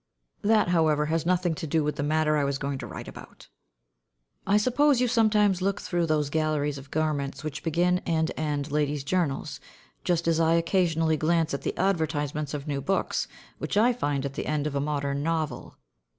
That, however, has nothing to do with the matter I was going to write about. I suppose you sometimes look through those galleries of garments which begin and end ladies' journals, just as I occasionally glance at the advertisements of new books, which I find at the end of a modern novel.